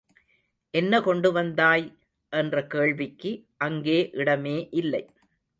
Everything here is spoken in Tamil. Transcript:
என்ன கொண்டு வந்தாய்? என்ற கேள்விக்கு அங்கே இடமே இல்லை.